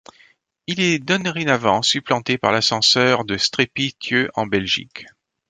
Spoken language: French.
Il est dorénavant supplanté par l'ascenseur de Strépy-Thieu en Belgique.